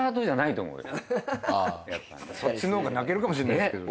そっちの方が泣けるかもしんないですけど。